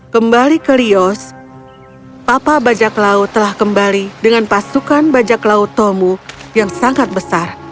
kembali ke lios papa bajaklau telah kembali dengan pasukan bajaklau tomu yang sangat besar